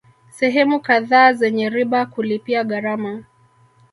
Sehemu kadhaa zenya riba kulipia gharama